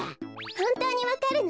ほんとうにわかるの？